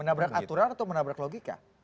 menabrak aturan atau menabrak logika